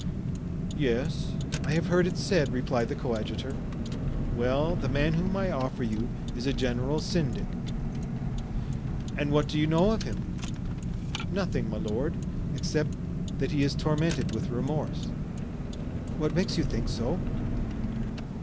"Yes, I have heard it said," replied the coadjutor. "Well, the man whom I offer you is a general syndic." "And what do you know of him?" "Nothing, my lord, except that he is tormented with remorse." "What makes you think so?"